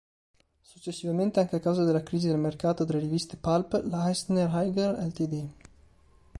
Successivamente, anche a causa della crisi del mercato delle riviste "pulp", la Eisner-Iger, Ltd.